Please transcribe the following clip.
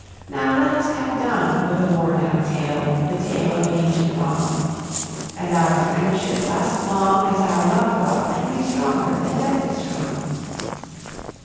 Now let us have done with a worn out tale The tale of an ancient wrong And our friendship last long as our love doth and be stronger than death is strong."